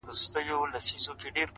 حسن خو زر نه دى چي څوك يې پـټ كــړي.